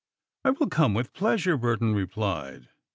"I will come with pleasure," Burton replied.